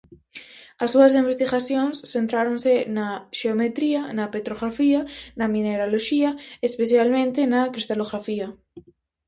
As súas investigacións centráronse na xeometría, na petrografía, na mineraloxía e, especialmente, na cristalografía.